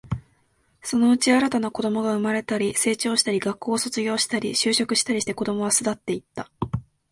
そのうち、新たな子供が生まれたり、成長したり、学校を卒業したり、就職したりして、子供は巣立っていった